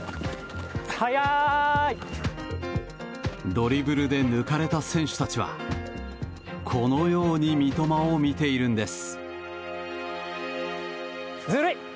ドリブルで抜かれた選手たちはこのように三笘を見ているんです。